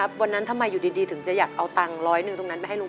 บางเดือนก็ไม่ค่อยพอครับต้องไปยืมคนอื่นครับ